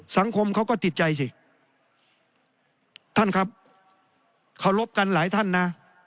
สังคมเขาก็ติดใจสิท่านครับเคารพกันหลายท่านนะ